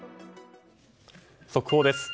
速報です。